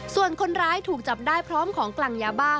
ส่วนคนร้ายถูกจับได้พร้อมของกลางยาบ้า